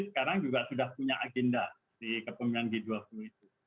sekarang juga sudah punya agenda di kepemimpinan g dua puluh itu